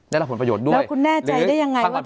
เนก็รับผลประโยชน์ด้วยดีกว่าฟังคราวนี้แล้วคุณแน่ใจได้ยังไงว่า